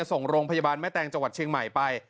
ส่งโรงพยาบาลแม่แตงจังหวัดเชียงใหม่ไป